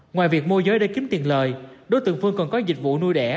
ngoài việc môi giới để kiếm tiền lời đối tượng phương còn có dịch vụ nuôi đẻ